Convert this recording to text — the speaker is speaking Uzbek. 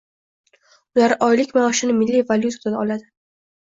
Ular oylik maoshini milliy valyutada oladi